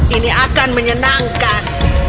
ini akan menyenangkan